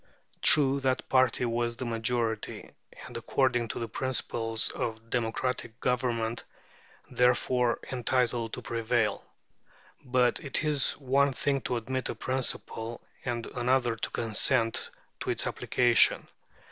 True, that party was the majority, and, according to the principles of democratic government, therefore entitled to prevail. But it is one thing to admit a principle and another to consent to its application.